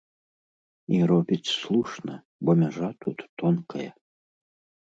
І робіць слушна, бо мяжа тут тонкая.